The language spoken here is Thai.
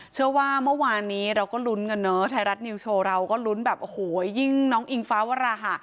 เชื่อว่าเมื่อวานนี้เราก็ลุ้นกันเนอะไทยรัฐนิวโชว์เราก็ลุ้นแบบโอ้โหยิ่งน้องอิงฟ้าวราหะ